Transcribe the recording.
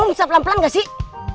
bisa pelan pelan gak sih